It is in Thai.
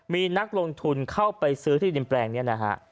มีนักลงทุนเข้าไปซื้อที่ดินแปลงนี้นะฮะ